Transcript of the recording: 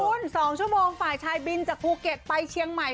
คุณ๒ชั่วโมงฝ่ายชายบินจากภูเก็ตไปเชียงใหม่